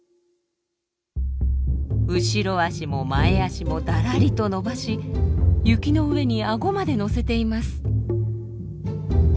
後ろ足も前足もだらりと伸ばし雪の上にアゴまで乗せています。